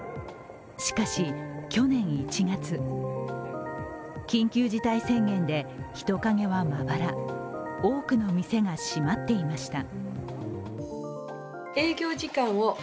しかし、去年１月緊急事態宣言で人影はまばら、多くの店が閉まっていました。